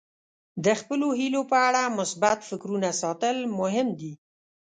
د خپلو هیلو په اړه مثبت فکرونه ساتل مهم دي.